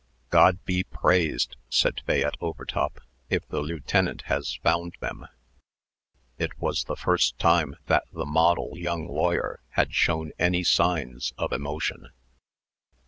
"God be praised," said Fayette Overtop, "if the lieutenant has found them." It was the first time that the model young lawyer had shown any signs of emotion.